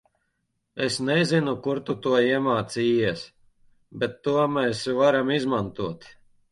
Es nezinu kur tu to iemācījies, bet to mēs varam izmantot.